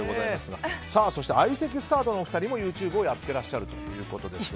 そして相席スタートのお二人もＹｏｕＴｕｂｅをやっていると。